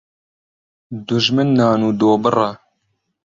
دوژمن نان و دۆ بڕە